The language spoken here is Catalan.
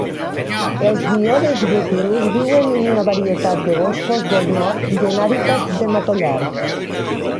Els Myodes rutilus viuen en una varietat de boscos del nord i en hàbitats de matollars.